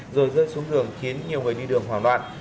rồi rơi xuống hưởng khiến nhiều người đi đường hỏa loạn